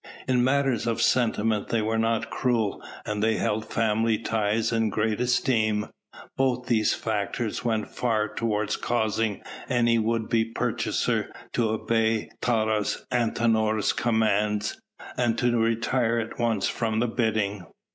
In matters of sentiment they were not cruel and they held family ties in great esteem; both these factors went far towards causing any would be purchaser to obey Taurus Antinor's commands and to retire at once from the bidding.